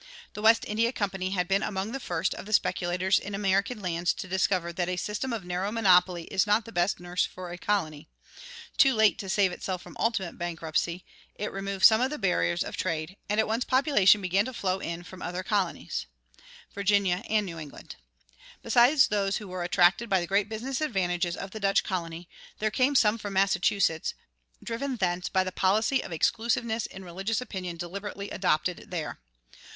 The West India Company had been among the first of the speculators in American lands to discover that a system of narrow monopoly is not the best nurse for a colony; too late to save itself from ultimate bankruptcy, it removed some of the barriers of trade, and at once population began to flow in from other colonies, Virginia and New England. Besides those who were attracted by the great business advantages of the Dutch colony, there came some from Massachusetts, driven thence by the policy of exclusiveness in religious opinion deliberately adopted there.